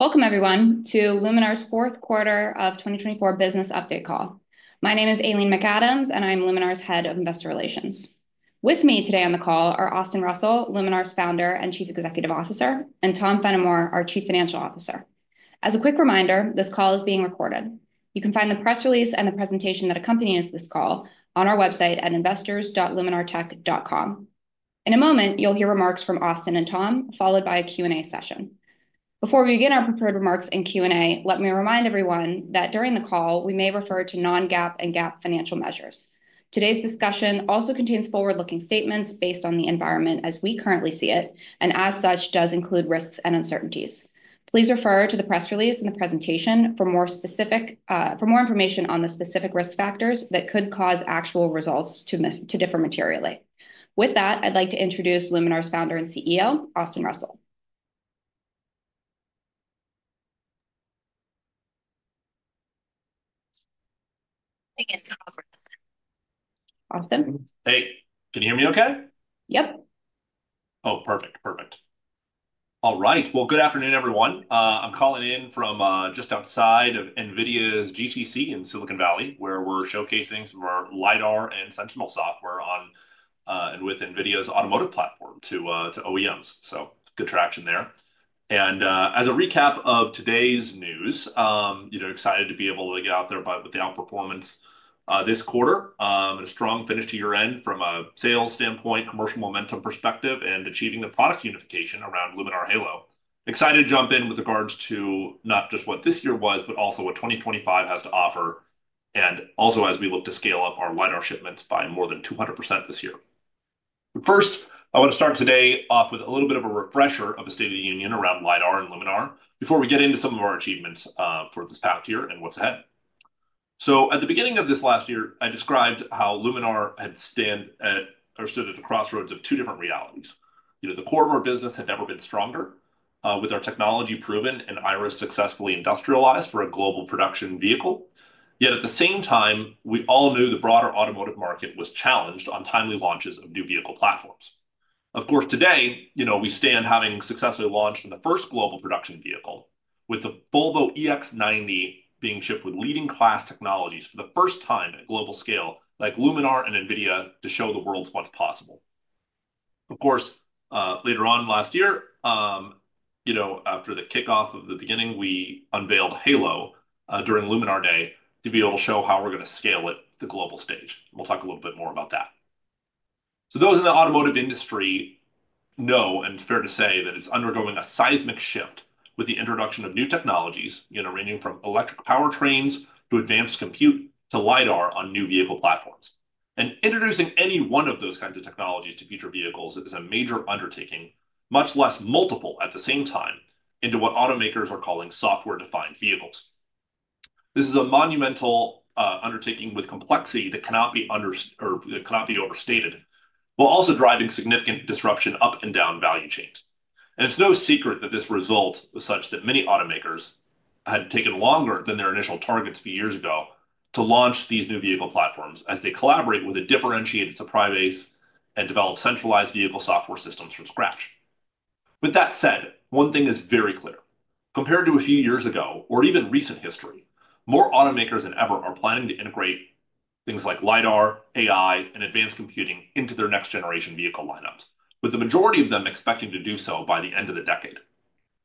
Welcome, everyone, to Luminar's fourth quarter of 2024 business update call. My name is Aileen Smith, and I'm Luminar's head of investor relations. With me today on the call are Austin Russell, Luminar's founder and Chief Executive Officer, and Tom Fennimore, our Chief Financial Officer. As a quick reminder, this call is being recorded. You can find the press release and the presentation that accompany this call on our website at investors.luminartech.com. In a moment, you'll hear remarks from Austin and Tom, followed by a Q&A session. Before we begin our prepared remarks and Q&A, let me remind everyone that during the call, we may refer to non-GAAP and GAAP financial measures. Today's discussion also contains forward-looking statements based on the environment as we currently see it, and as such, does include risks and uncertainties. Please refer to the press release and the presentation for more specific information on the specific risk factors that could cause actual results to differ materially. With that, I'd like to introduce Luminar's founder and CEO, Austin Russell. Hey, can you hear me okay? Yep. Oh, perfect. Perfect. All right. Good afternoon, everyone. I'm calling in from just outside of NVIDIA's GTC in Silicon Valley, where we're showcasing some of our LiDAR and Sentinel software on and with NVIDIA's automotive platform to OEMs. Good traction there. As a recap of today's news, excited to be able to get out there with the outperformance this quarter, a strong finish to year-end from a sales standpoint, commercial momentum perspective, and achieving the product unification around Luminar Halo. Excited to jump in with regards to not just what this year was, but also what 2025 has to offer, and also as we look to scale up our LiDAR shipments by more than 200% this year. First, I want to start today off with a little bit of a refresher of the State of the Union around LiDAR and Luminar before we get into some of our achievements for this past year and what's ahead. At the beginning of this last year, I described how Luminar had stood at the crossroads of two different realities. The core of our business had never been stronger, with our technology proven and Iris successfully industrialized for a global production vehicle. Yet at the same time, we all knew the broader automotive market was challenged on timely launches of new vehicle platforms. Of course, today, we stand having successfully launched the first global production vehicle, with the Volvo EX90 being shipped with leading-class technologies for the first time at global scale, like Luminar and NVIDIA, to show the world what's possible. Of course, later on last year, after the kickoff of the beginning, we unveiled Halo during Luminar Day to be able to show how we're going to scale it to the global stage. We'll talk a little bit more about that. Those in the automotive industry know, and it's fair to say, that it's undergoing a seismic shift with the introduction of new technologies, ranging from electric powertrains to advanced compute to LiDAR on new vehicle platforms. Introducing any one of those kinds of technologies to future vehicles is a major undertaking, much less multiple at the same time, into what automakers are calling software-defined vehicles. This is a monumental undertaking with complexity that cannot be understood or cannot be overstated, while also driving significant disruption up and down value chains. It is no secret that this result was such that many automakers had taken longer than their initial targets a few years ago to launch these new vehicle platforms as they collaborate with a differentiated supply base and develop centralized vehicle software systems from scratch. With that said, one thing is very clear. Compared to a few years ago, or even recent history, more automakers than ever are planning to integrate things like LiDAR, AI, and advanced computing into their next-generation vehicle lineups, with the majority of them expecting to do so by the end of the decade.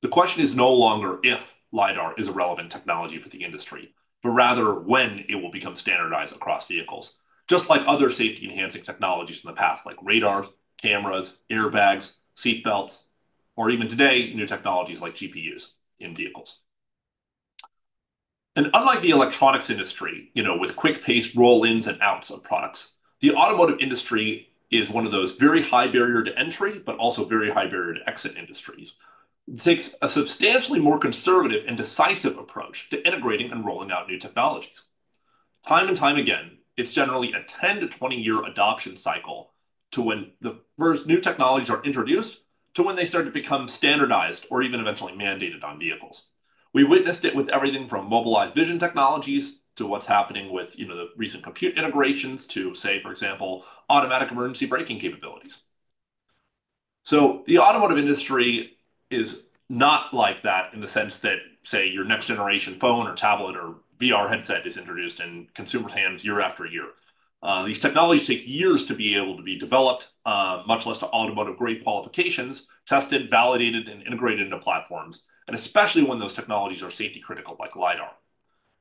The question is no longer if LiDAR is a relevant technology for the industry, but rather when it will become standardized across vehicles, just like other safety-enhancing technologies in the past, like radars, cameras, airbags, seat belts, or even today, new technologies like GPUs in vehicles. Unlike the electronics industry, with quick-paced roll-ins and outs of products, the automotive industry is one of those very high barrier to entry, but also very high barrier to exit industries. It takes a substantially more conservative and decisive approach to integrating and rolling out new technologies. Time and time again, it's generally a 10-20 year adoption cycle to when the first new technologies are introduced to when they start to become standardized or even eventually mandated on vehicles. We witnessed it with everything from Mobileye's vision technologies to what's happening with the recent compute integrations to, say, for example, automatic emergency braking capabilities. The automotive industry is not like that in the sense that, say, your next-generation phone or tablet or VR headset is introduced in consumers' hands year after year. These technologies take years to be able to be developed, much less to automotive-grade qualifications, tested, validated, and integrated into platforms, especially when those technologies are safety-critical like LiDAR.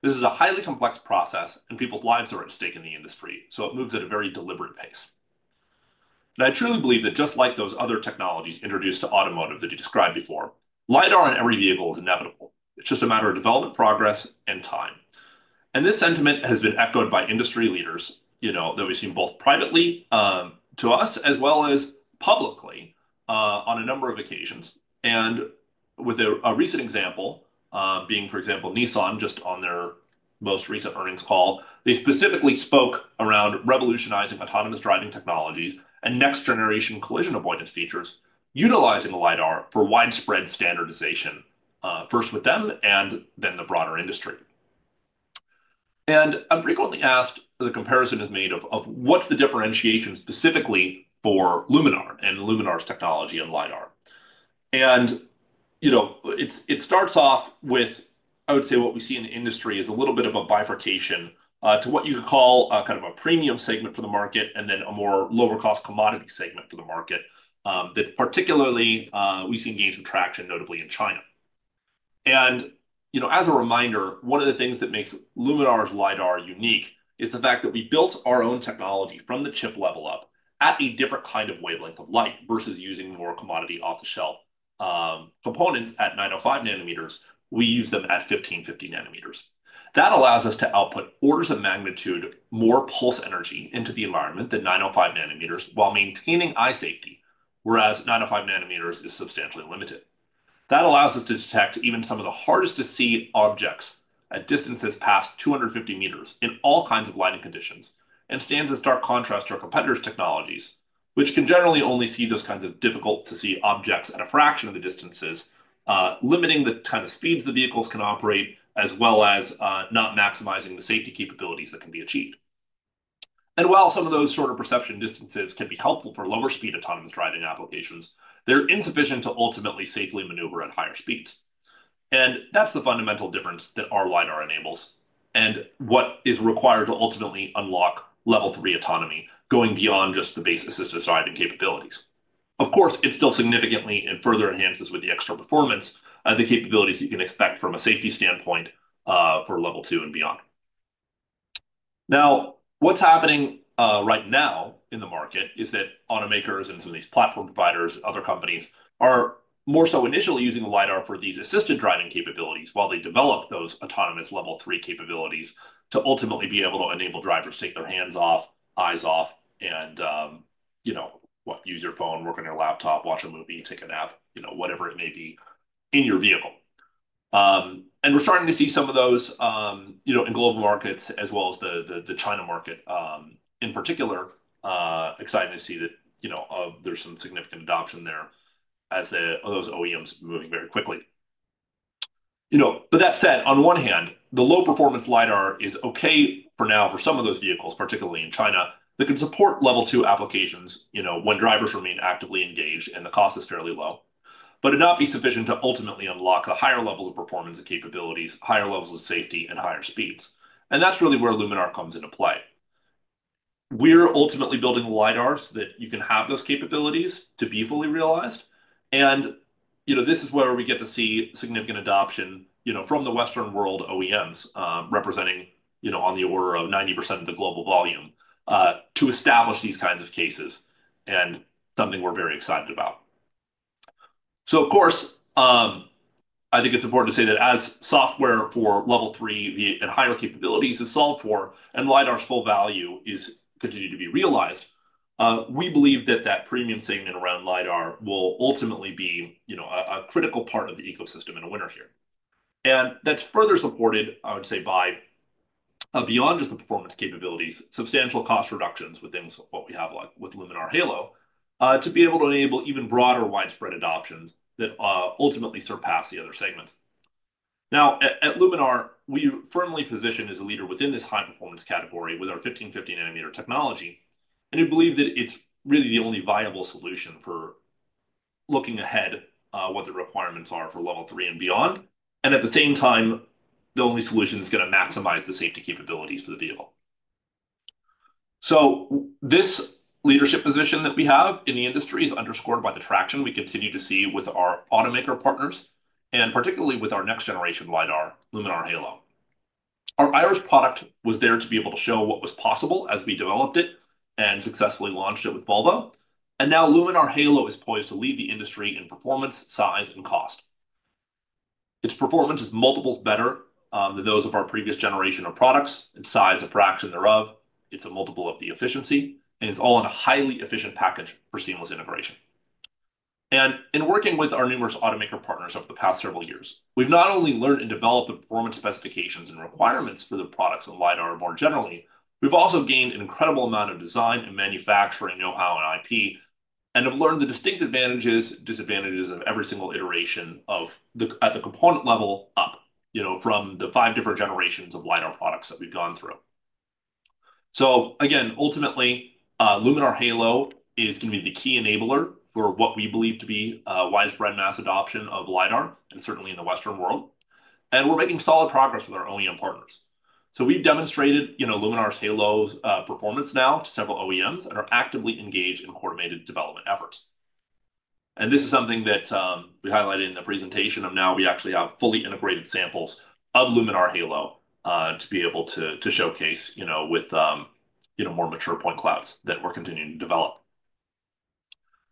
This is a highly complex process, and people's lives are at stake in the industry, so it moves at a very deliberate pace. I truly believe that just like those other technologies introduced to automotive that you described before, LiDAR on every vehicle is inevitable. It's just a matter of development, progress, and time. This sentiment has been echoed by industry leaders that we've seen both privately to us as well as publicly on a number of occasions. With a recent example being, for example, Nissan just on their most recent earnings call, they specifically spoke around revolutionizing autonomous driving technologies and next-generation collision avoidance features, utilizing LiDAR for widespread standardization, first with them and then the broader industry. I'm frequently asked, the comparison is made of what's the differentiation specifically for Luminar and Luminar's technology and LiDAR. It starts off with, I would say, what we see in the industry is a little bit of a bifurcation to what you could call kind of a premium segment for the market and then a more lower-cost commodity segment for the market that particularly we've seen gains in traction, notably in China. As a reminder, one of the things that makes Luminar's LiDAR unique is the fact that we built our own technology from the chip level up at a different kind of wavelength of light versus using more commodity off-the-shelf components at 905 nanometers. We use them at 1550 nanometers. That allows us to output orders of magnitude more pulse energy into the environment than 905 nanometers while maintaining eye safety, whereas 905 nanometers is substantially limited. That allows us to detect even some of the hardest-to-see objects at distances past 250 meters in all kinds of lighting conditions and stands in stark contrast to our competitors' technologies, which can generally only see those kinds of difficult-to-see objects at a fraction of the distances, limiting the kind of speeds the vehicles can operate as well as not maximizing the safety capabilities that can be achieved. While some of those shorter perception distances can be helpful for lower-speed autonomous driving applications, they're insufficient to ultimately safely maneuver at higher speeds. That's the fundamental difference that our LiDAR enables and what is required to ultimately unlock Level 3 autonomy going beyond just the base-assisted driving capabilities. Of course, it still significantly and further enhances with the extra performance the capabilities that you can expect from a safety standpoint for Level 2 and beyond. Now, what's happening right now in the market is that automakers and some of these platform providers, other companies are more so initially using LiDAR for these assisted driving capabilities while they develop those autonomous Level 3 capabilities to ultimately be able to enable drivers to take their hands off, eyes off, and use your phone, work on your laptop, watch a movie, take a nap, whatever it may be in your vehicle. We're starting to see some of those in global markets as well as the China market in particular. Exciting to see that there's some significant adoption there as those OEMs moving very quickly. That said, on one hand, the low-performance LiDAR is okay for now for some of those vehicles, particularly in China, that can support Level 2 applications when drivers remain actively engaged and the cost is fairly low, but it would not be sufficient to ultimately unlock the higher levels of performance and capabilities, higher levels of safety, and higher speeds. That is really where Luminar comes into play. We are ultimately building LiDARs that you can have those capabilities to be fully realized. This is where we get to see significant adoption from the Western world OEMs representing on the order of 90% of the global volume to establish these kinds of cases and something we are very excited about. I think it's important to say that as software for Level 3 and higher capabilities is sold for and LiDAR's full value is continued to be realized, we believe that that premium segment around LiDAR will ultimately be a critical part of the ecosystem and a winner here. That's further supported, I would say, by beyond just the performance capabilities, substantial cost reductions with things like what we have with Luminar Halo to be able to enable even broader widespread adoptions that ultimately surpass the other segments. Now, at Luminar, we firmly position as a leader within this high-performance category with our 1550 nanometer technology. We believe that it's really the only viable solution for looking ahead what the requirements are for Level 3 and beyond. At the same time, the only solution that's going to maximize the safety capabilities for the vehicle. This leadership position that we have in the industry is underscored by the traction we continue to see with our automaker partners and particularly with our next-generation LiDAR, Luminar Halo. Our Iris product was there to be able to show what was possible as we developed it and successfully launched it with Volvo. Now Luminar Halo is poised to lead the industry in performance, size, and cost. Its performance is multiples better than those of our previous generation of products. Its size is a fraction thereof. It is a multiple of the efficiency. It is all in a highly efficient package for seamless integration. In working with our numerous automaker partners over the past several years, we've not only learned and developed the performance specifications and requirements for the products and LiDAR more generally, we've also gained an incredible amount of design and manufacturing know-how and IP and have learned the distinct advantages and disadvantages of every single iteration at the component level up from the five different generations of LiDAR products that we've gone through. Ultimately, Luminar Halo is going to be the key enabler for what we believe to be a widespread mass adoption of LiDAR and certainly in the Western world. We're making solid progress with our OEM partners. We've demonstrated Luminar's Halo performance now to several OEMs and are actively engaged in coordinated development efforts. This is something that we highlighted in the presentation of now we actually have fully integrated samples of Luminar Halo to be able to showcase with more mature point clouds that we're continuing to develop.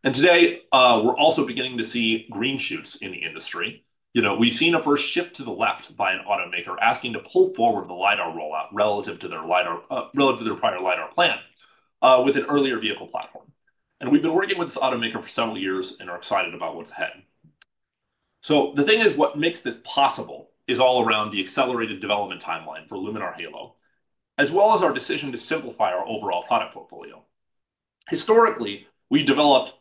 Today, we're also beginning to see green shoots in the industry. We've seen a first shift to the left by an automaker asking to pull forward the LiDAR rollout relative to their prior LiDAR plan with an earlier vehicle platform. We've been working with this automaker for several years and are excited about what's ahead. The thing is, what makes this possible is all around the accelerated development timeline for Luminar Halo, as well as our decision to simplify our overall product portfolio. Historically, we developed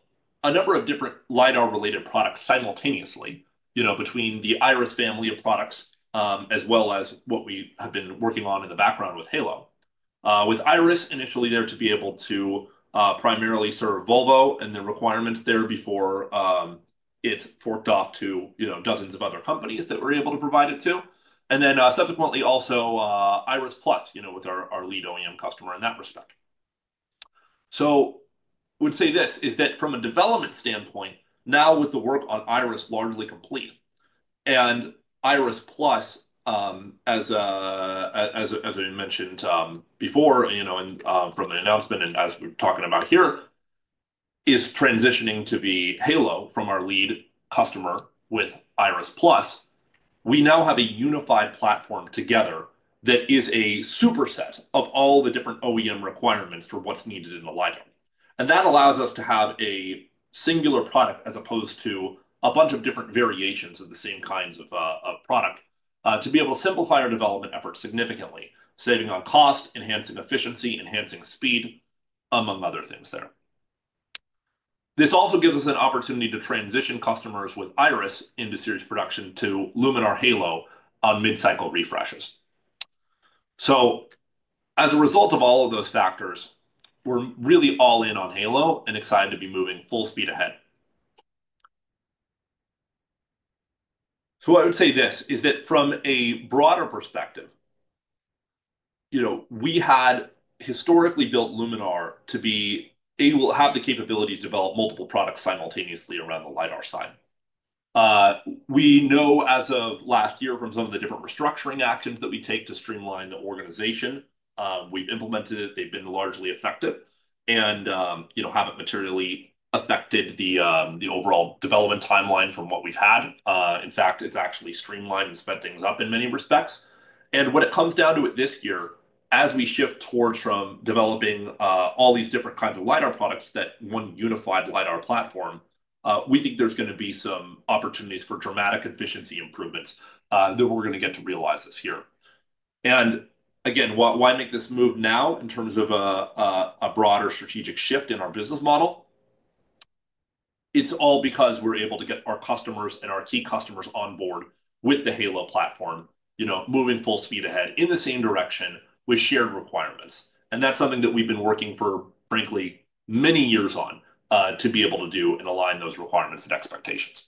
a number of different LiDAR-related products simultaneously between the Iris family of products as well as what we have been working on in the background with Halo, with Iris initially there to be able to primarily serve Volvo and the requirements there before it is forked off to dozens of other companies that we are able to provide it to, and then subsequently also Iris Plus with our lead OEM customer in that respect. I would say this is that from a development standpoint, now with the work on Iris largely complete and Iris Plus, as I mentioned before from the announcement and as we are talking about here, is transitioning to be Halo from our lead customer with Iris Plus, we now have a unified platform together that is a superset of all the different OEM requirements for what is needed in the LiDAR. That allows us to have a singular product as opposed to a bunch of different variations of the same kinds of product to be able to simplify our development efforts significantly, saving on cost, enhancing efficiency, enhancing speed, among other things there. This also gives us an opportunity to transition customers with Iris into series production to Luminar Halo on mid-cycle refreshes. As a result of all of those factors, we're really all in on Halo and excited to be moving full speed ahead. I would say this is that from a broader perspective, we had historically built Luminar to have the capability to develop multiple products simultaneously around the LiDAR side. We know as of last year from some of the different restructuring actions that we take to streamline the organization, we've implemented it. They've been largely effective and haven't materially affected the overall development timeline from what we've had. In fact, it's actually streamlined and sped things up in many respects. When it comes down to it this year, as we shift towards developing all these different kinds of LiDAR products to that one unified LiDAR platform, we think there's going to be some opportunities for dramatic efficiency improvements that we're going to get to realize this year. Again, why make this move now in terms of a broader strategic shift in our business model? It's all because we're able to get our customers and our key customers on board with the Halo platform, moving full speed ahead in the same direction with shared requirements. That's something that we've been working for, frankly, many years on to be able to do and align those requirements and expectations.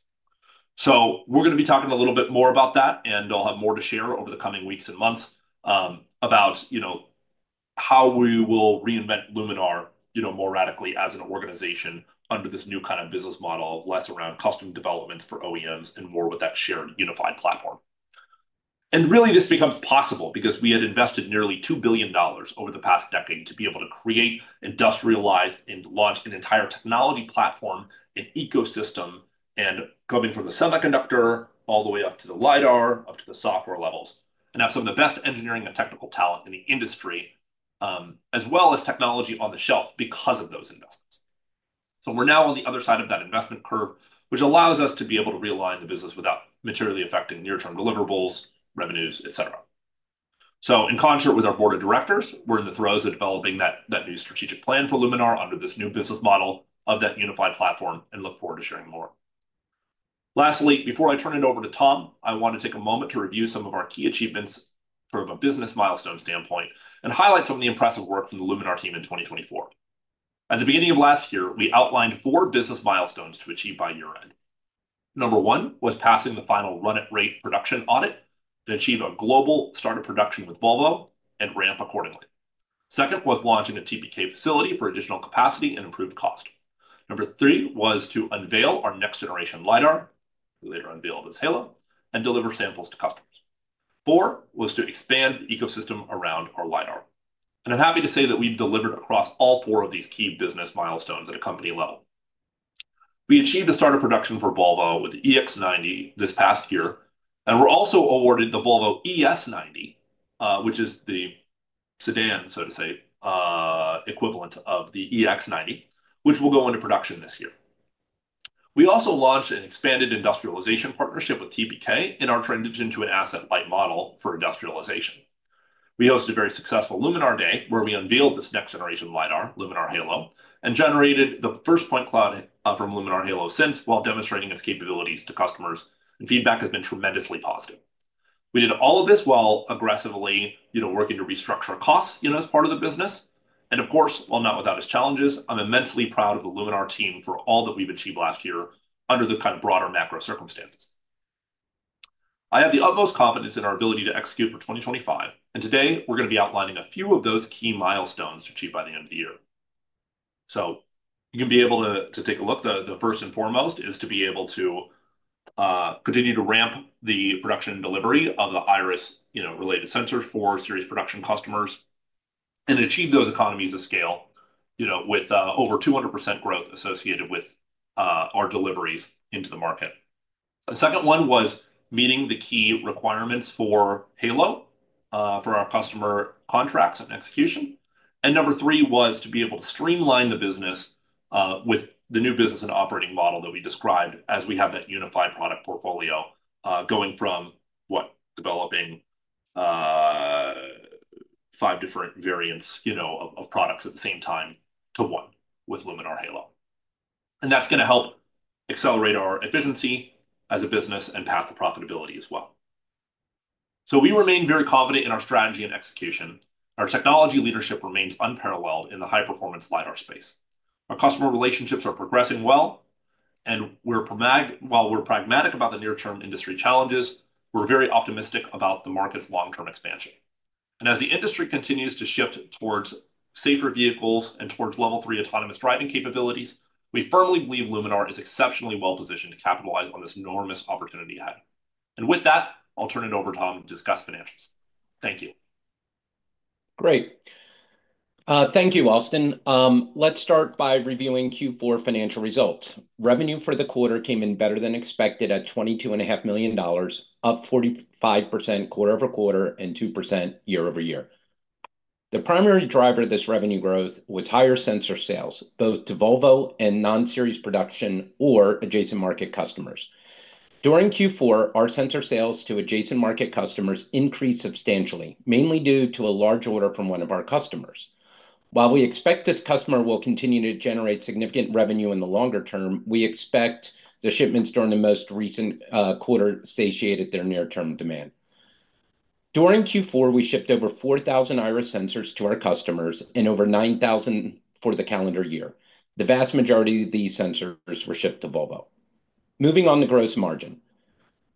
We're going to be talking a little bit more about that, and I'll have more to share over the coming weeks and months about how we will reinvent Luminar more radically as an organization under this new kind of business model of less around custom developments for OEMs and more with that shared unified platform. Really, this becomes possible because we had invested nearly $2 billion over the past decade to be able to create, industrialize, and launch an entire technology platform, an ecosystem, and going from the semiconductor all the way up to the LiDAR, up to the software levels, and have some of the best engineering and technical talent in the industry as well as technology on the shelf because of those investments. We're now on the other side of that investment curve, which allows us to be able to realign the business without materially affecting near-term deliverables, revenues, etc. In concert with our board of directors, we're in the throes of developing that new strategic plan for Luminar under this new business model of that unified platform and look forward to sharing more. Lastly, before I turn it over to Tom, I want to take a moment to review some of our key achievements from a business milestone standpoint and highlight some of the impressive work from the Luminar team in 2024. At the beginning of last year, we outlined four business milestones to achieve by year-end. Number one was passing the final run-at-rate production audit to achieve a global start of production with Volvo and ramp accordingly. Second was launching a TPK facility for additional capacity and improved cost. Number three was to unveil our next-generation LiDAR, later unveiled as Halo, and deliver samples to customers. Four was to expand the ecosystem around our LiDAR. I'm happy to say that we've delivered across all four of these key business milestones at a company level. We achieved the start of production for Volvo with the EX90 this past year. We're also awarded the Volvo ES90, which is the sedan, so to say, equivalent of the EX90, which will go into production this year. We also launched an expanded industrialization partnership with TPK in our transition to an asset-light model for industrialization. We hosted a very successful Luminar Day where we unveiled this next-generation LiDAR, Luminar Halo, and generated the first point cloud from Luminar Halo since while demonstrating its capabilities to customers. Feedback has been tremendously positive. We did all of this while aggressively working to restructure costs as part of the business. Of course, while not without its challenges, I'm immensely proud of the Luminar team for all that we've achieved last year under the kind of broader macro circumstances. I have the utmost confidence in our ability to execute for 2025. Today, we're going to be outlining a few of those key milestones to achieve by the end of the year. You can be able to take a look. The first and foremost is to be able to continue to ramp the production delivery of the Iris-related sensors for series production customers and achieve those economies of scale with over 200% growth associated with our deliveries into the market. The second one was meeting the key requirements for Halo for our customer contracts and execution. Number three was to be able to streamline the business with the new business and operating model that we described as we have that unified product portfolio going from, what, developing five different variants of products at the same time to one with Luminar Halo. That is going to help accelerate our efficiency as a business and path to profitability as well. We remain very confident in our strategy and execution. Our technology leadership remains unparalleled in the high-performance LiDAR space. Our customer relationships are progressing well. While we are pragmatic about the near-term industry challenges, we are very optimistic about the market's long-term expansion. As the industry continues to shift towards safer vehicles and towards Level 3 autonomous driving capabilities, we firmly believe Luminar is exceptionally well-positioned to capitalize on this enormous opportunity ahead. With that, I will turn it over to Tom to discuss financials. Thank you. Great. Thank you, Austin. Let's start by reviewing Q4 financial results. Revenue for the quarter came in better than expected at $22.5 million, up 45% quarter over quarter and 2% year over year. The primary driver of this revenue growth was higher sensor sales, both to Volvo and non-series production or adjacent market customers. During Q4, our sensor sales to adjacent market customers increased substantially, mainly due to a large order from one of our customers. While we expect this customer will continue to generate significant revenue in the longer term, we expect the shipments during the most recent quarter satiated their near-term demand. During Q4, we shipped over 4,000 Iris sensors to our customers and over 9,000 for the calendar year. The vast majority of these sensors were shipped to Volvo. Moving on to gross margin.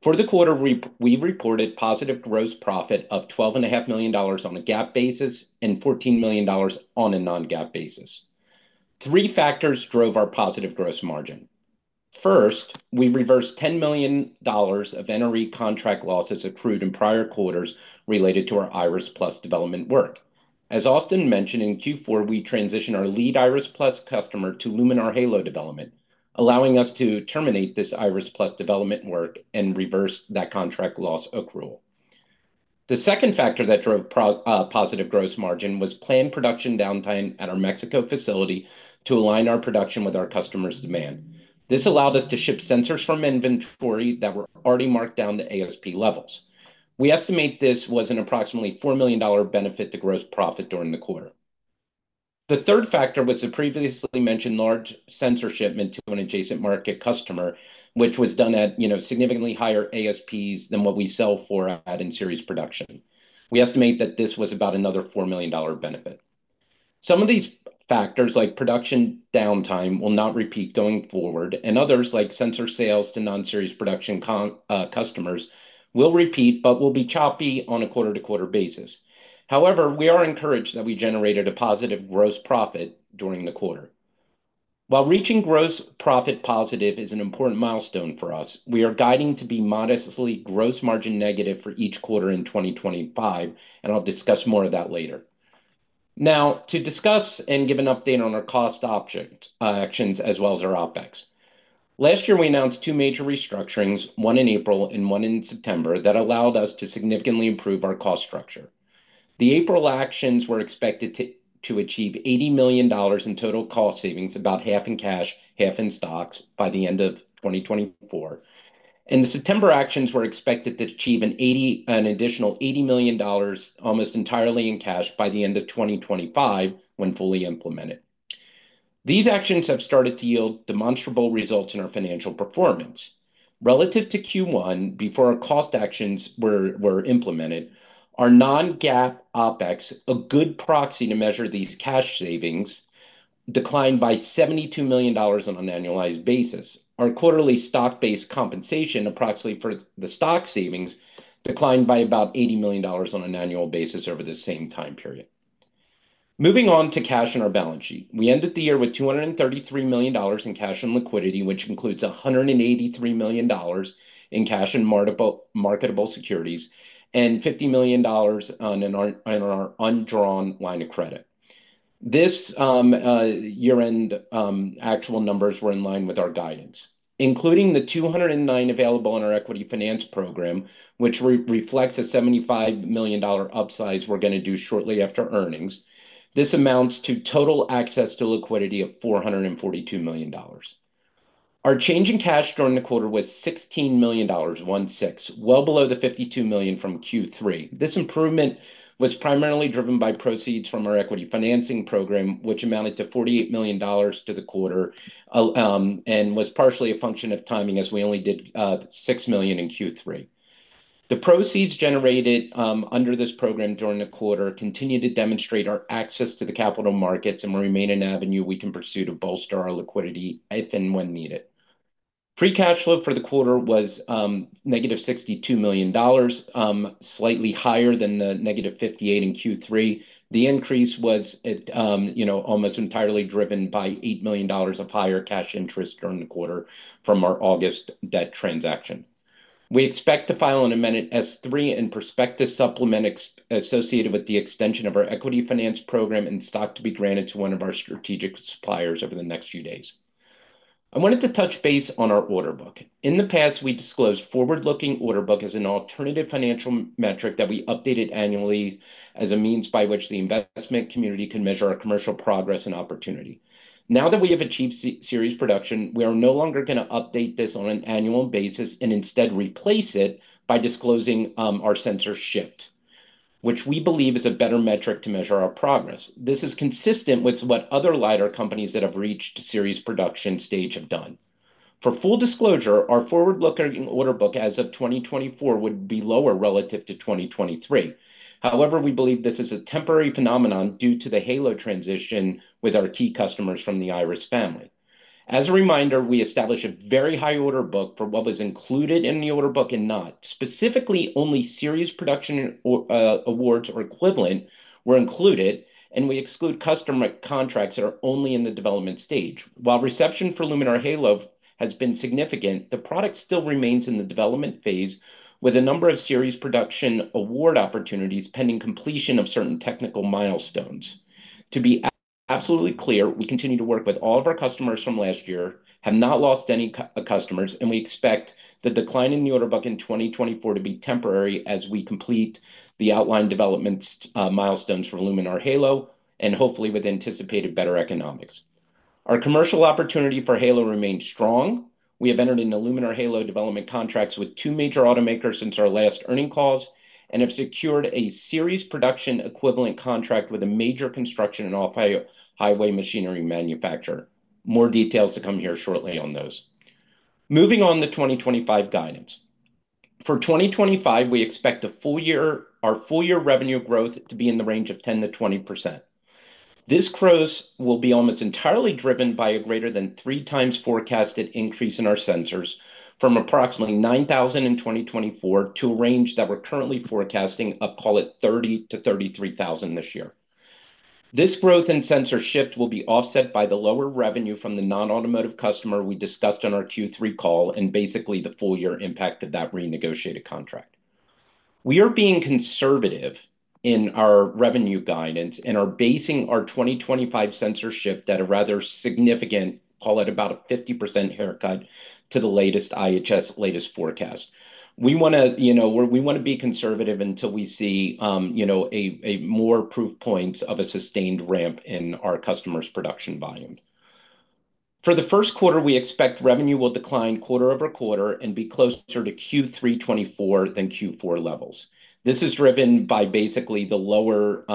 For the quarter, we reported positive gross profit of $12.5 million on a GAAP basis and $14 million on a non-GAAP basis. Three factors drove our positive gross margin. First, we reversed $10 million of NRE contract losses accrued in prior quarters related to our Iris Plus development work. As Austin mentioned in Q4, we transitioned our lead Iris Plus customer to Luminar Halo development, allowing us to terminate this Iris Plus development work and reverse that contract loss accrual. The second factor that drove positive gross margin was planned production downtime at our Mexico facility to align our production with our customer's demand. This allowed us to ship sensors from inventory that were already marked down to ASP levels. We estimate this was an approximately $4 million benefit to gross profit during the quarter. The third factor was the previously mentioned large sensor shipment to an adjacent market customer, which was done at significantly higher ASPs than what we sell for at in-series production. We estimate that this was about another $4 million benefit. Some of these factors, like production downtime, will not repeat going forward, and others, like sensor sales to non-series production customers, will repeat but will be choppy on a quarter-to-quarter basis. However, we are encouraged that we generated a positive gross profit during the quarter. While reaching gross profit positive is an important milestone for us, we are guiding to be modestly gross margin negative for each quarter in 2025, and I'll discuss more of that later. Now, to discuss and give an update on our cost actions as well as our OpEx. Last year, we announced two major restructurings, one in April and one in September, that allowed us to significantly improve our cost structure. The April actions were expected to achieve $80 million in total cost savings, about half in cash, half in stock by the end of 2024. The September actions were expected to achieve an additional $80 million almost entirely in cash by the end of 2025 when fully implemented. These actions have started to yield demonstrable results in our financial performance. Relative to Q1, before our cost actions were implemented, our non-GAAP OpEx, a good proxy to measure these cash savings, declined by $72 million on an annualized basis. Our quarterly stock-based compensation, approximately for the stock savings, declined by about $80 million on an annual basis over the same time period. Moving on to cash in our balance sheet, we ended the year with $233 million in cash and liquidity, which includes $183 million in cash and marketable securities and $50 million on our undrawn line of credit. This year-end actual numbers were in line with our guidance, including the $209 million available in our equity finance program, which reflects a $75 million upsize we're going to do shortly after earnings. This amounts to total access to liquidity of $442 million. Our change in cash during the quarter was $16 million, one-six, well below the $52 million from Q3. This improvement was primarily driven by proceeds from our equity financing program, which amounted to $48 million to the quarter and was partially a function of timing as we only did $6 million in Q3. The proceeds generated under this program during the quarter continue to demonstrate our access to the capital markets and remain an avenue we can pursue to bolster our liquidity if and when needed. Free cash flow for the quarter was negative $62 million, slightly higher than the negative $58 million in Q3. The increase was almost entirely driven by $8 million of higher cash interest during the quarter from our August debt transaction. We expect to file an amended S-3 and prospectus supplement associated with the extension of our equity finance program and stock to be granted to one of our strategic suppliers over the next few days. I wanted to touch base on our order book. In the past, we disclosed forward-looking order book as an alternative financial metric that we updated annually as a means by which the investment community can measure our commercial progress and opportunity. Now that we have achieved series production, we are no longer going to update this on an annual basis and instead replace it by disclosing our sensor shift, which we believe is a better metric to measure our progress. This is consistent with what other LiDAR companies that have reached series production stage have done. For full disclosure, our forward-looking order book as of 2024 would be lower relative to 2023. However, we believe this is a temporary phenomenon due to the Halo transition with our key customers from the Iris family. As a reminder, we establish a very high bar for what was included in the order book and not. Specifically, only series production awards or equivalent were included, and we exclude customer contracts that are only in the development stage. While reception for Luminar Halo has been significant, the product still remains in the development phase with a number of series production award opportunities pending completion of certain technical milestones. To be absolutely clear, we continue to work with all of our customers from last year, have not lost any customers, and we expect the decline in the order book in 2024 to be temporary as we complete the outlined development milestones for Luminar Halo and hopefully with anticipated better economics. Our commercial opportunity for Halo remains strong. We have entered into Luminar Halo development contracts with two major automakers since our last earning calls and have secured a series production equivalent contract with a major construction and off-highway machinery manufacturer. More details to come here shortly on those. Moving on to 2025 guidance. For 2025, we expect our full-year revenue growth to be in the range of 10-20%. This growth will be almost entirely driven by a greater than three times forecasted increase in our sensors from approximately $9,000 in 2024 to a range that we're currently forecasting of, call it, $30,000-$33,000 this year. This growth in sensor shift will be offset by the lower revenue from the non-automotive customer we discussed on our Q3 call and basically the full-year impact of that renegotiated contract. We are being conservative in our revenue guidance and are basing our 2025 sensor shift at a rather significant, call it about a 50% haircut to the latest IHS latest forecast. We want to be conservative until we see more proof points of a sustained ramp in our customer's production volume. For the first quarter, we expect revenue will decline quarter over quarter and be closer to Q3 2024 than Q4 levels. This is driven by basically the lower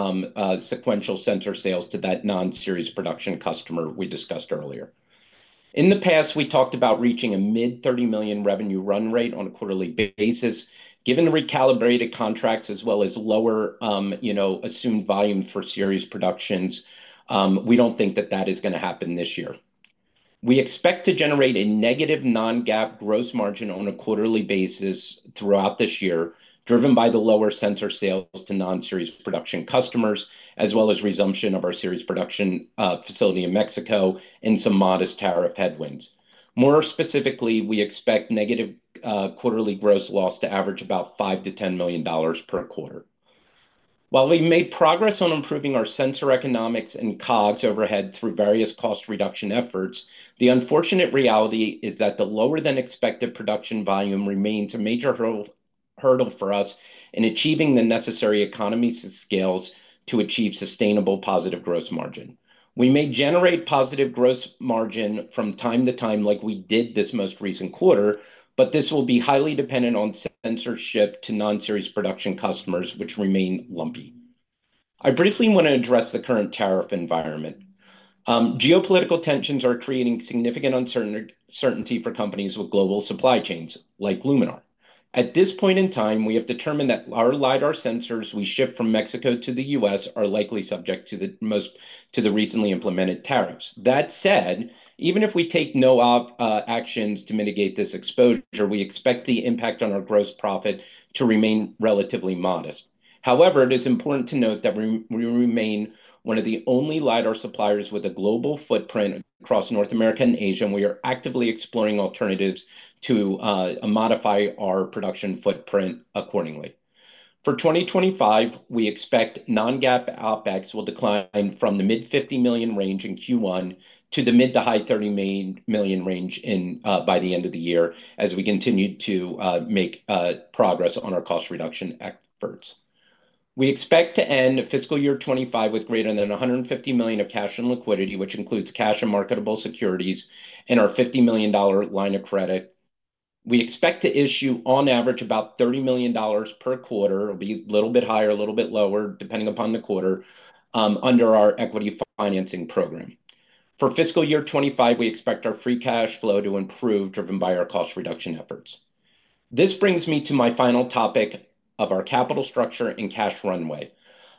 sequential sensor sales to that non-series production customer we discussed earlier. In the past, we talked about reaching a mid-$30 million revenue run rate on a quarterly basis. Given recalibrated contracts as well as lower assumed volume for series productions, we do not think that that is going to happen this year. We expect to generate a negative non-GAAP gross margin on a quarterly basis throughout this year, driven by the lower sensor sales to non-series production customers, as well as resumption of our series production facility in Mexico and some modest tariff headwinds. More specifically, we expect negative quarterly gross loss to average about $5 million-$10 million per quarter. While we've made progress on improving our sensor economics and COGS overhead through various cost reduction efforts, the unfortunate reality is that the lower-than-expected production volume remains a major hurdle for us in achieving the necessary economies of scale to achieve sustainable positive gross margin. We may generate positive gross margin from time to time like we did this most recent quarter, but this will be highly dependent on sensor ship to non-series production customers, which remain lumpy. I briefly want to address the current tariff environment. Geopolitical tensions are creating significant uncertainty for companies with global supply chains like Luminar. At this point in time, we have determined that our LiDAR sensors we ship from Mexico to the U.S. are likely subject to the recently implemented tariffs. That said, even if we take no actions to mitigate this exposure, we expect the impact on our gross profit to remain relatively modest. However, it is important to note that we remain one of the only LiDAR suppliers with a global footprint across North America and Asia, and we are actively exploring alternatives to modify our production footprint accordingly. For 2025, we expect non-GAAP OpEx will decline from the mid-$50 million range in Q1 to the mid-to-high $30 million range by the end of the year as we continue to make progress on our cost reduction efforts. We expect to end fiscal year 2025 with greater than $150 million of cash and liquidity, which includes cash and marketable securities and our $50 million line of credit. We expect to issue, on average, about $30 million per quarter. It'll be a little bit higher, a little bit lower, depending upon the quarter, under our equity financing program. For fiscal year 2025, we expect our free cash flow to improve, driven by our cost reduction efforts. This brings me to my final topic of our capital structure and cash runway.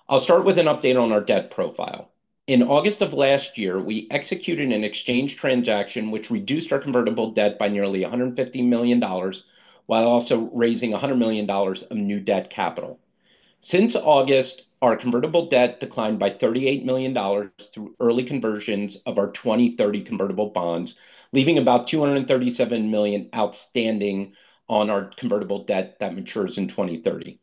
I'll start with an update on our debt profile. In August of last year, we executed an exchange transaction which reduced our convertible debt by nearly $150 million while also raising $100 million of new debt capital. Since August, our convertible debt declined by $38 million through early conversions of our 2030 convertible bonds, leaving about $237 million outstanding on our convertible debt that matures in 2030.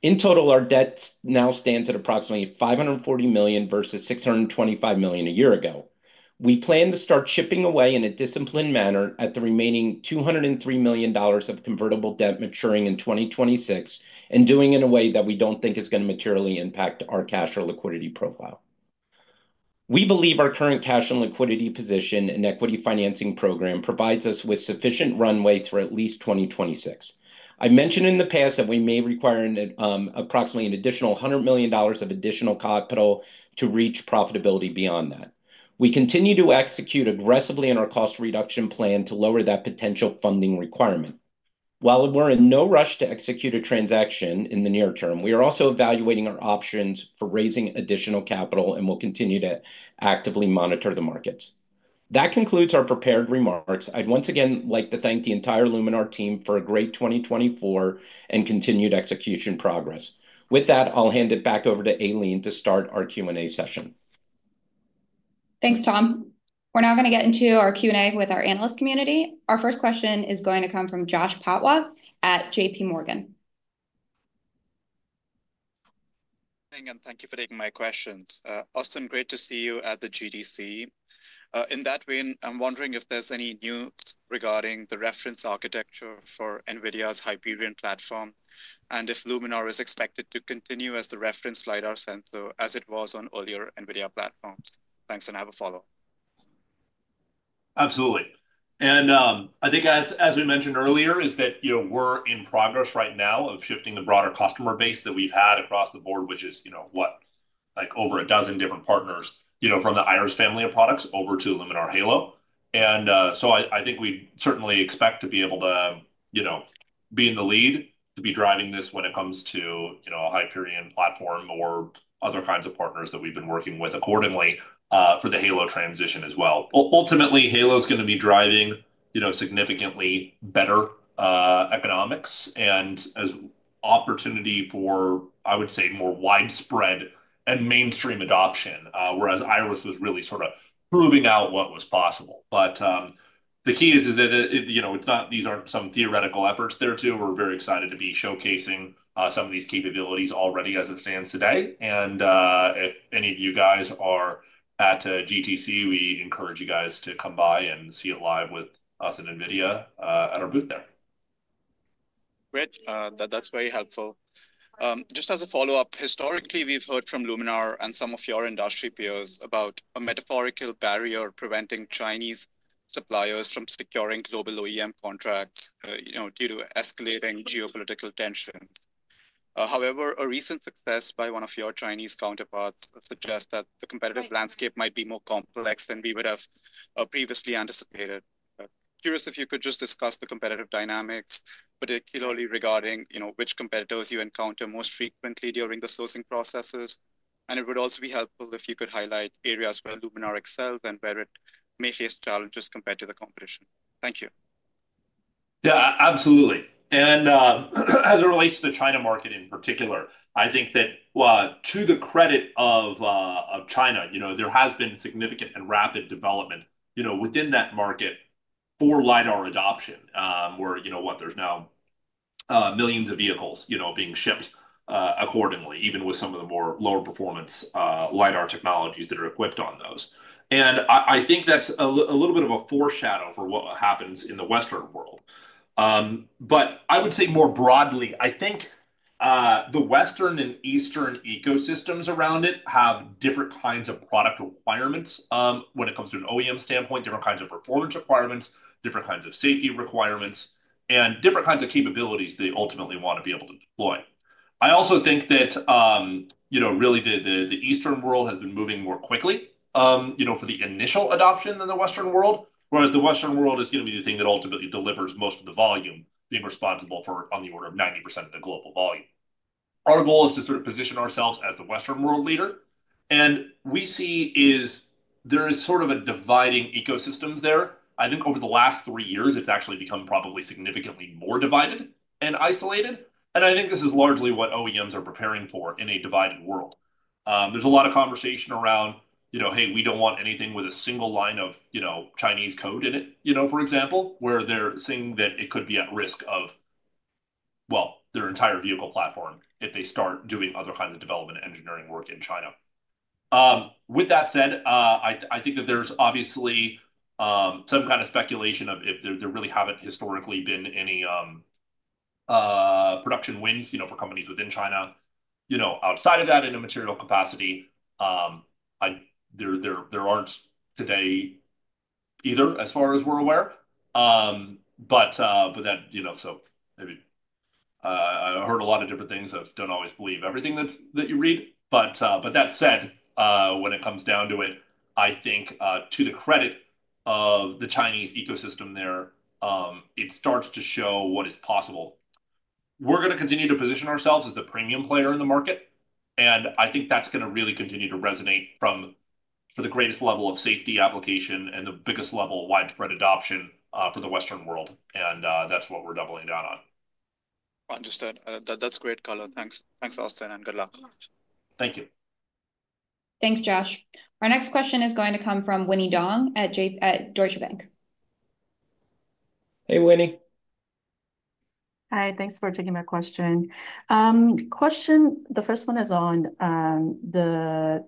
In total, our debt now stands at approximately $540 million versus $625 million a year ago. We plan to start chipping away in a disciplined manner at the remaining $203 million of convertible debt maturing in 2026 and doing it in a way that we don't think is going to materially impact our cash or liquidity profile. We believe our current cash and liquidity position and equity financing program provides us with sufficient runway through at least 2026. I mentioned in the past that we may require approximately an additional $100 million of additional capital to reach profitability beyond that. We continue to execute aggressively in our cost reduction plan to lower that potential funding requirement. While we're in no rush to execute a transaction in the near term, we are also evaluating our options for raising additional capital and will continue to actively monitor the markets. That concludes our prepared remarks. I'd once again like to thank the entire Luminar team for a great 2024 and continued execution progress. With that, I'll hand it back over to Aileen to start our Q&A session. Thanks, Tom. We're now going to get into our Q&A with our analyst community. Our first question is going to come from Jash Patwa at JPMorgan. Thank you for taking my questions. Austin, great to see you at the GTC. In that vein, I'm wondering if there's any news regarding the reference architecture for NVIDIA's Hyperion platform and if Luminar is expected to continue as the reference LiDAR sensor as it was on earlier NVIDIA platforms. Thanks and have a follow-up. Absolutely. I think as we mentioned earlier, we are in progress right now of shifting the broader customer base that we have had across the board, which is what, like over a dozen different partners from the Iris family of products over to Luminar Halo. I think we certainly expect to be able to be in the lead, to be driving this when it comes to a Hyperion platform or other kinds of partners that we have been working with accordingly for the Halo transition as well. Ultimately, Halo is going to be driving significantly better economics and opportunity for, I would say, more widespread and mainstream adoption, whereas Iris was really sort of proving out what was possible. The key is that these are not some theoretical efforts there too. We are very excited to be showcasing some of these capabilities already as it stands today. If any of you guys are at GTC, we encourage you guys to come by and see it live with us and NVIDIA at our booth there. Great. That is very helpful. Just as a follow-up, historically, we have heard from Luminar and some of your industry peers about a metaphorical barrier preventing Chinese suppliers from securing global OEM contracts due to escalating geopolitical tensions. However, a recent success by one of your Chinese counterparts suggests that the competitive landscape might be more complex than we would have previously anticipated. Curious if you could just discuss the competitive dynamics, particularly regarding which competitors you encounter most frequently during the sourcing processes. It would also be helpful if you could highlight areas where Luminar excels and where it may face challenges compared to the competition. Thank you. Yeah, absolutely. As it relates to the China market in particular, I think that to the credit of China, there has been significant and rapid development within that market for LiDAR adoption, where, what, there's now millions of vehicles being shipped accordingly, even with some of the more lower performance LiDAR technologies that are equipped on those. I think that's a little bit of a foreshadow for what happens in the Western world. I would say more broadly, I think the Western and Eastern ecosystems around it have different kinds of product requirements when it comes to an OEM standpoint, different kinds of performance requirements, different kinds of safety requirements, and different kinds of capabilities they ultimately want to be able to deploy. I also think that really the Eastern world has been moving more quickly for the initial adoption than the Western world, whereas the Western world is going to be the thing that ultimately delivers most of the volume, being responsible for on the order of 90% of the global volume. Our goal is to sort of position ourselves as the Western world leader. We see there is sort of a dividing ecosystem there. I think over the last three years, it's actually become probably significantly more divided and isolated. I think this is largely what OEMs are preparing for in a divided world. is a lot of conversation around, "Hey, we do not want anything with a single line of Chinese code in it," for example, where they are saying that it could be at risk of, well, their entire vehicle platform if they start doing other kinds of development engineering work in China. With that said, I think that there is obviously some kind of speculation of if there really have not historically been any production wins for companies within China outside of that in a material capacity. There are not today either, as far as we are aware. Maybe I heard a lot of different things. I do not always believe everything that you read. That said, when it comes down to it, I think to the credit of the Chinese ecosystem there, it starts to show what is possible. We are going to continue to position ourselves as the premium player in the market. I think that's going to really continue to resonate from the greatest level of safety application and the biggest level of widespread adoption for the Western world. That's what we're doubling down on. Understood. That's great, color. Thanks, Austin, and good luck. Thank you. Thanks, Josh. Our next question is going to come from Winnie Dong at Deutsche Bank. Hey, Winnie. Hi. Thanks for taking my question. The first one is on the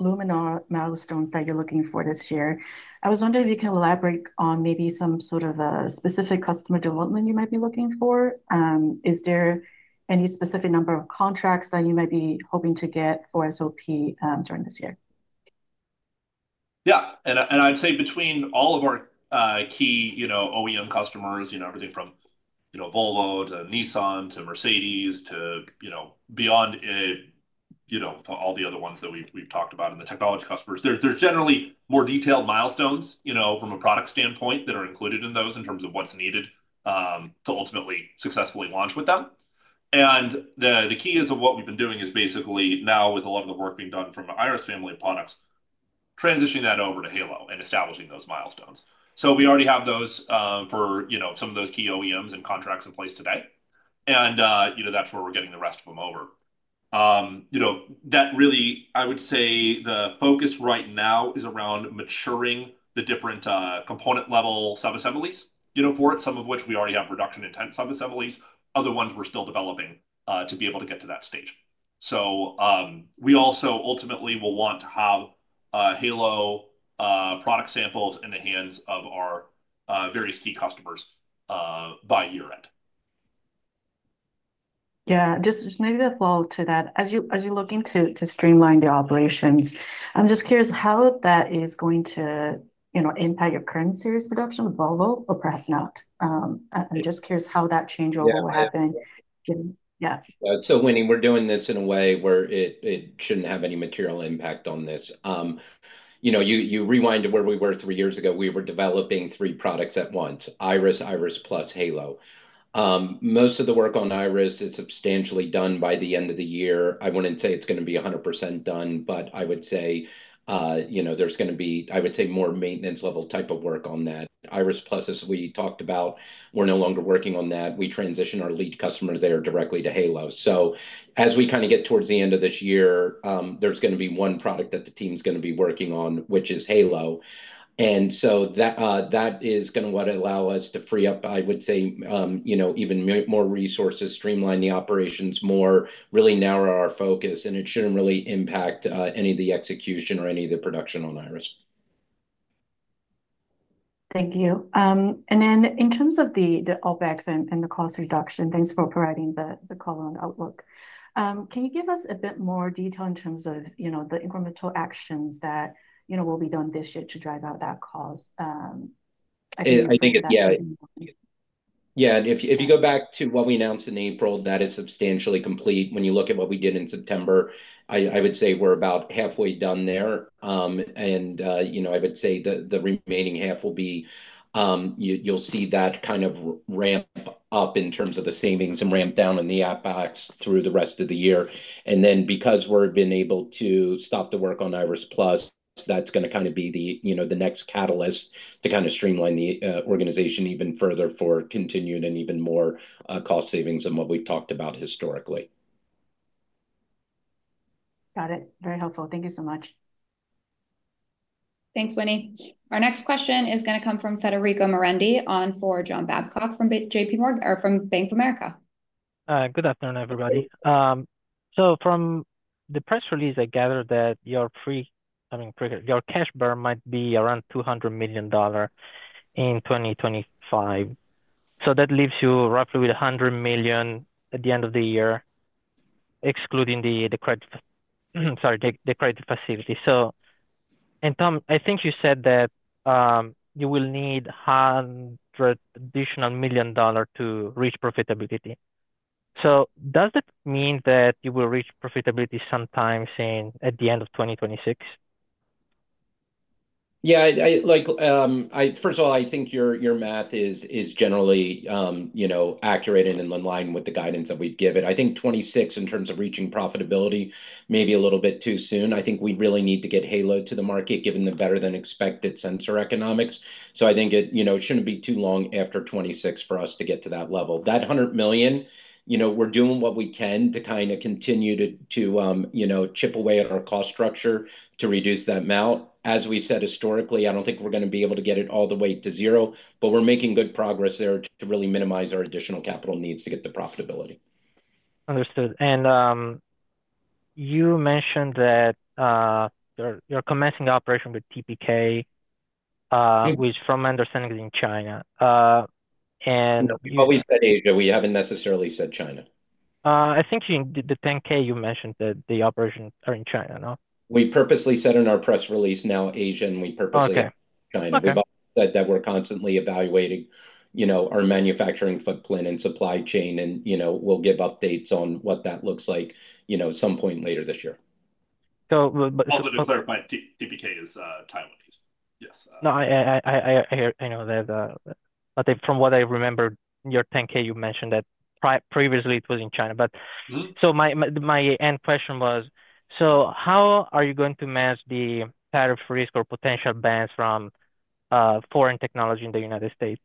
Luminar milestones that you're looking for this year. I was wondering if you can elaborate on maybe some sort of a specific customer development you might be looking for. Is there any specific number of contracts that you might be hoping to get for SOP during this year? Yeah. I'd say between all of our key OEM customers, everything from Volvo to Nissan to Mercedes to beyond all the other ones that we've talked about and the technology customers, there's generally more detailed milestones from a product standpoint that are included in those in terms of what's needed to ultimately successfully launch with them. The key is of what we've been doing is basically now, with a lot of the work being done from the Iris family of products, transitioning that over to Halo and establishing those milestones. We already have those for some of those key OEMs and contracts in place today. That's where we're getting the rest of them over. That really, I would say the focus right now is around maturing the different component-level sub-assemblies for it, some of which we already have production-intent sub-assemblies. Other ones we're still developing to be able to get to that stage. We also ultimately will want to have Halo product samples in the hands of our various key customers by year-end. Yeah. Just maybe a follow-up to that. As you're looking to streamline the operations, I'm just curious how that is going to impact your current series production, Volvo, or perhaps not. I'm just curious how that change overall will happen. Yeah. Winnie, we're doing this in a way where it shouldn't have any material impact on this. You rewind to where we were three years ago. We were developing three products at once, Iris, Iris Plus, Halo. Most of the work on Iris is substantially done by the end of the year. I wouldn't say it's going to be 100% done, but I would say there's going to be, I would say, more maintenance-level type of work on that. Iris Plus is, we talked about, we're no longer working on that. We transition our lead customer there directly to Halo. As we kind of get towards the end of this year, there's going to be one product that the team's going to be working on, which is Halo. That is going to allow us to free up, I would say, even more resources, streamline the operations more, really narrow our focus, and it shouldn't really impact any of the execution or any of the production on Iris. Thank you. In terms of the OpEx and the cost reduction, thanks for providing the call on outlook. Can you give us a bit more detail in terms of the incremental actions that will be done this year to drive out that cost? I think it's yeah. Yeah. If you go back to what we announced in April, that is substantially complete. When you look at what we did in September, I would say we're about halfway done there. I would say the remaining half will be you'll see that kind of ramp up in terms of the savings and ramp down in the OpEx through the rest of the year. Because we've been able to stop the work on Iris Plus, that's going to kind of be the next catalyst to kind of streamline the organization even further for continued and even more cost savings than what we've talked about historically. Got it. Very helpful. Thank you so much. Thanks, Winnie. Our next question is going to come from Federico Mirendi on for John Babcock from Bank of America. Good afternoon, everybody. From the press release, I gather that your cash burn might be around $200 million in 2025. That leaves you roughly with $100 million at the end of the year, excluding the credit facility. Tom, I think you said that you will need $100 million to reach profitability. Does that mean that you will reach profitability sometime at the end of 2026? Yeah. First of all, I think your math is generally accurate and in line with the guidance that we've given. I think 2026 in terms of reaching profitability may be a little bit too soon. I think we really need to get Halo to the market, given the better-than-expected sensor economics. I think it shouldn't be too long after 2026 for us to get to that level. That $100 million, we're doing what we can to kind of continue to chip away at our cost structure to reduce that amount. As we've said historically, I don't think we're going to be able to get it all the way to zero, but we're making good progress there to really minimize our additional capital needs to get to profitability. Understood. You mentioned that you're commencing operation with TPK, which, from my understanding, is in China. We always said Asia. We haven't necessarily said China. I think in the 10K, you mentioned that the operations are in China. No? We purposely said in our press release now, Asian, we purposely said China. We've always said that we're constantly evaluating our manufacturing footprint and supply chain, and we'll give updates on what that looks like at some point later this year. All of it is clarified. TPK is Taiwanese. Yes. No, I know that. From what I remember, your 10-K, you mentioned that previously it was in China. My end question was, how are you going to manage the tariff risk or potential bans from foreign technology in the United States?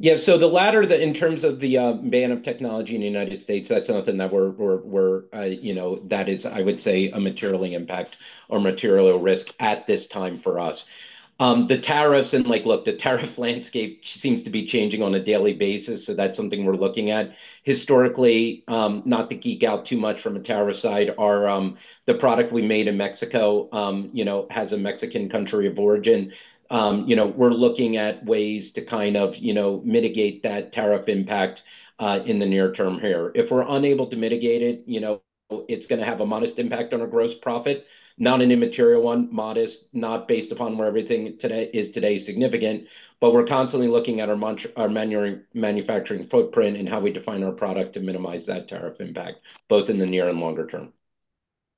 Yeah. The latter, in terms of the ban of technology in the United States, that's something that is, I would say, not a material impact or material risk at this time for us. The tariffs and, look, the tariff landscape seems to be changing on a daily basis. That's something we're looking at. Historically, not to geek out too much from a tariff side, the product we made in Mexico has a Mexican country of origin. We're looking at ways to kind of mitigate that tariff impact in the near term here. If we're unable to mitigate it, it's going to have a modest impact on our gross profit, not an immaterial one, modest, not based upon where everything is today significant. We're constantly looking at our manufacturing footprint and how we define our product to minimize that tariff impact, both in the near and longer term.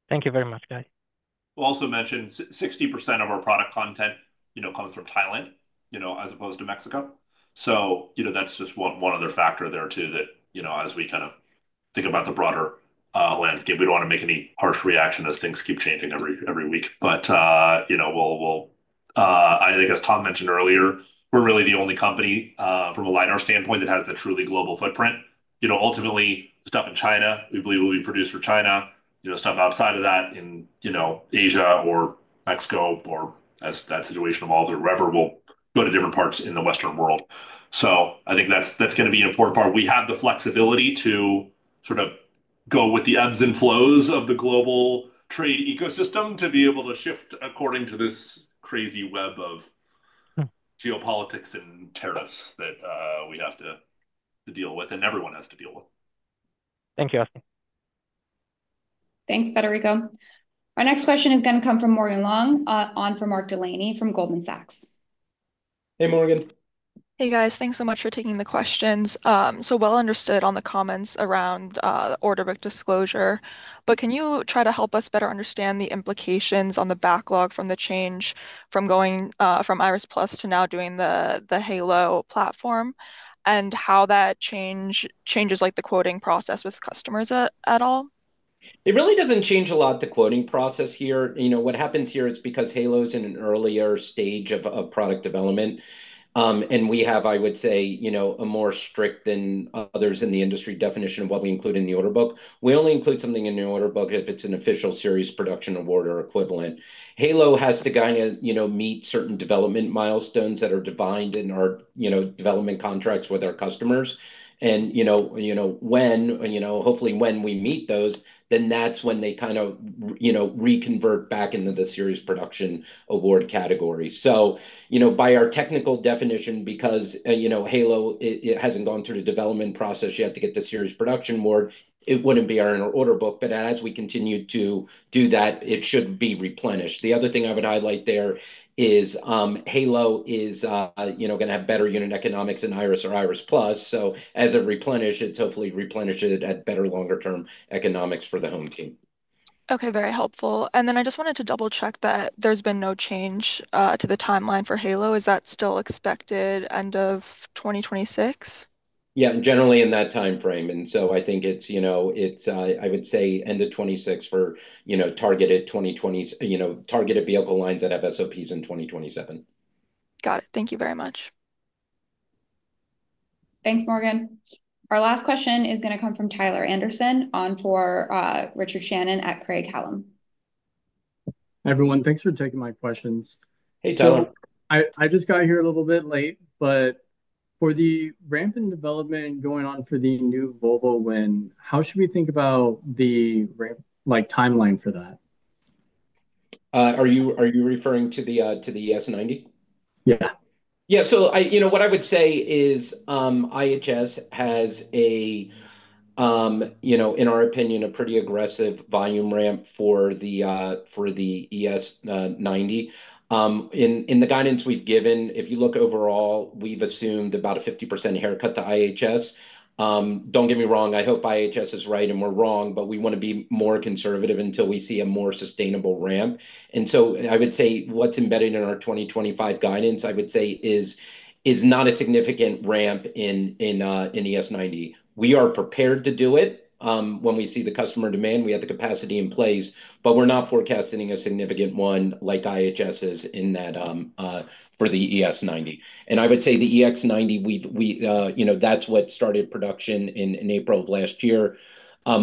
Thank you very much, Guy. I will also mention 60% of our product content comes from Thailand as opposed to Mexico. That is just one other factor there too that as we kind of think about the broader landscape, we do not want to make any harsh reaction as things keep changing every week. I guess Tom mentioned earlier, we're really the only company from a LiDAR standpoint that has the truly global footprint. Ultimately, stuff in China, we believe will be produced for China. Stuff outside of that in Asia or Mexico or as that situation evolves or wherever, we'll go to different parts in the Western world. I think that's going to be an important part. We have the flexibility to sort of go with the ebbs and flows of the global trade ecosystem to be able to shift according to this crazy web of geopolitics and tariffs that we have to deal with and everyone has to deal with. Thank you, Austin. Thanks, Federico. Our next question is going to come from Morgan Long on for Mark Delaney from Goldman Sachs. Hey, Morgan. Hey, guys. Thanks so much for taking the questions. Understood on the comments around order book disclosure. Can you try to help us better understand the implications on the backlog from the change from going from Iris Plus to now doing the Halo platform and how that change changes the quoting process with customers at all? It really doesn't change a lot, the quoting process here. What happens here is because Halo is in an earlier stage of product development. We have, I would say, a more strict than others in the industry definition of what we include in the order book. We only include something in the order book if it's an official series production award or equivalent. Halo has to kind of meet certain development milestones that are defined in our development contracts with our customers. Hopefully, when we meet those, then that's when they kind of reconvert back into the series production award category. By our technical definition, because Halo, it hasn't gone through the development process yet to get the series production award, it wouldn't be our order book. As we continue to do that, it should be replenished. The other thing I would highlight there is Halo is going to have better unit economics than Iris or Iris Plus. As it replenishes, it's hopefully replenished at better longer-term economics for the home team. Okay. Very helpful. I just wanted to double-check that there's been no change to the timeline for Halo. Is that still expected end of 2026? Yeah. Generally in that timeframe. I would say, end of 2026 for targeted vehicle lines that have SOPs in 2027. Got it. Thank you very much. Thanks, Morgan. Our last question is going to come from Tyler Anderson on for Richard Shannon at Craig-Hallum. Everyone, thanks for taking my questions. Hey, Tyler. I just got here a little bit late, but for the ramp and development going on for the new Volvo win, how should we think about the timeline for that? Are you referring to the ES90? Yeah. Yeah. What I would say is IHS has a, in our opinion, a pretty aggressive volume ramp for the ES90. In the guidance we have given, if you look overall, we have assumed about a 50% haircut to IHS. Do not get me wrong. I hope IHS is right and we are wrong, but we want to be more conservative until we see a more sustainable ramp. I would say what's embedded in our 2025 guidance is not a significant ramp in ES90. We are prepared to do it. When we see the customer demand, we have the capacity in place, but we're not forecasting a significant one like IHS is for the ES90. I would say the EX90, that's what started production in April of last year.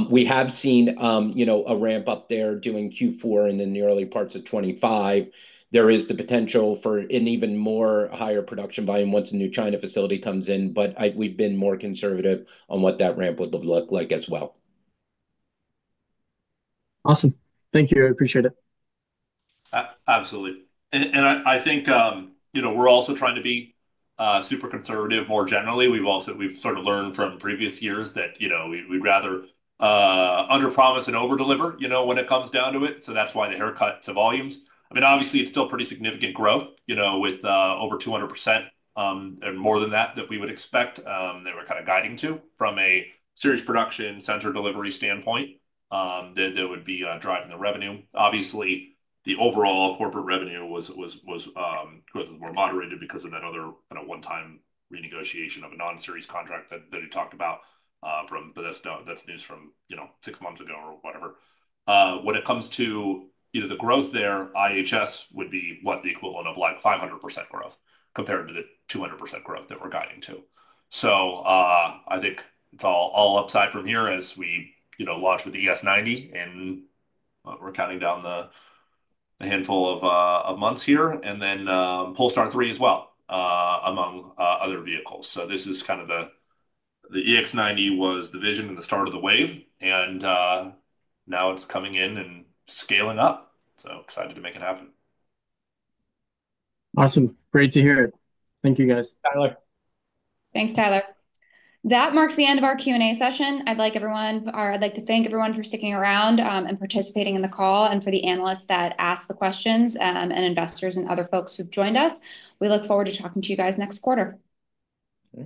We have seen a ramp up there during Q4 and in the early parts of 2025. There is the potential for an even more higher production volume once a new China facility comes in, but we've been more conservative on what that ramp would look like as well. Awesome. Thank you. I appreciate it. Absolutely. I think we're also trying to be super conservative more generally. We've sort of learned from previous years that we'd rather underpromise and overdeliver when it comes down to it. That's why the haircut to volumes. I mean, obviously, it's still pretty significant growth with over 200% and more than that that we would expect, that we're kind of guiding to from a series production sensor delivery standpoint that would be driving the revenue. Obviously, the overall corporate revenue was more moderated because of that other kind of one-time renegotiation of a non-series contract that he talked about from, but that's news from six months ago or whatever. When it comes to the growth there, IHS would be what, the equivalent of like 500% growth compared to the 200% growth that we're guiding to. I think it's all upside from here as we launch with the ES90, and we're counting down the handful of months here, and then Polestar 3 as well among other vehicles. This is kind of the EX90 was the vision and the start of the wave, and now it's coming in and scaling up. Excited to make it happen. Awesome. Great to hear it. Thank you, guys. Tyler. Thanks, Tyler. That marks the end of our Q&A session. I'd like to thank everyone for sticking around and participating in the call and for the analysts that asked the questions and investors and other folks who've joined us. We look forward to talking to you guys next quarter.